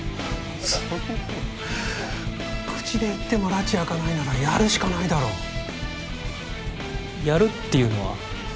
そんなもん口で言ってもらち明かないならやるしかないだろうやるっていうのは？